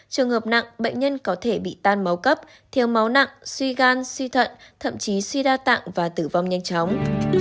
trường hợp nặng bệnh nhân có thể bị tan máu cấp thiếu máu nặng suy gan suy thận thậm chí suy đa tạng và tử vong nhanh chóng